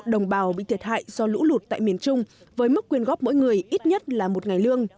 đồng bào bị thiệt hại do lũ lụt tại miền trung với mức quyền góp mỗi người ít nhất là một ngày lương